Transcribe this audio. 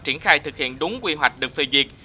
triển khai thực hiện đúng quy hoạch được phê duyệt